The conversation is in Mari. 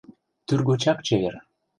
Тӱргочак чевер.